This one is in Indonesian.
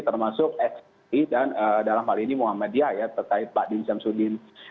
termasuk xi dan dalam hal ini muhammadiyah ya terkait pak dinsam sudin